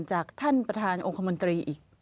จากท่านประธานองค์คมนตรีอีก